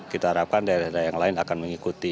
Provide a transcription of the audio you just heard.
kita harapkan daerah daerah yang lain akan mengikuti